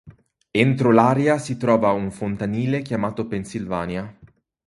Entro l'area si trova un fontanile, chiamato Pennsylvania.